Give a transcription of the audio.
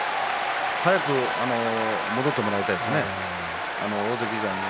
早く戻ってもらいたいですね。